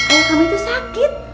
oh kamu itu sakit